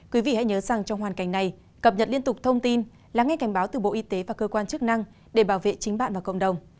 quý vị hãy nhớ rằng trong hoàn cảnh này cập nhật liên tục thông tin lắng nghe cảnh báo từ bộ y tế và cơ quan chức năng để bảo vệ chính bạn và cộng đồng